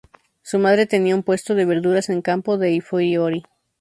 Su madre tenía un puesto de verduras en Campo dei Fiori.